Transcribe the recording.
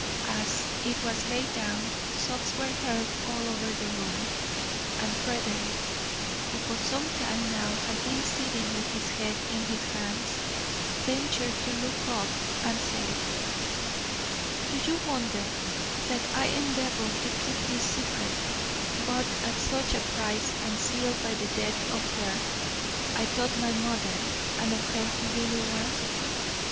As it was laid down, sobs were heard all over the room, and Frederick, who for some time now had been sitting with his head in his hands, ventured to look up and say: "Do you wonder that I endeavoured to keep this secret, bought at such a price and sealed by the death of her I thought my mother and of her who really was?